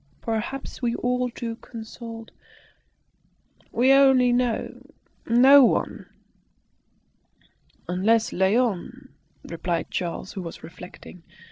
Perhaps we ought to consult we only know no one." "Unless Léon " replied Charles, who was reflecting.